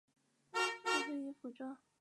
束缚衣服装。